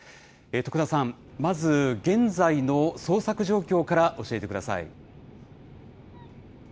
徳田さん、まず、現在の捜索状況から教えてください。